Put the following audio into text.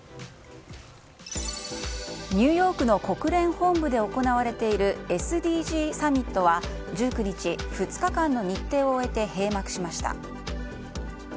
ニューヨークの国連本部で行われているＳＤＧサミットは１９日、２日間の日程を終えて閉幕しました。